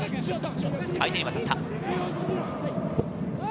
相手に渡った。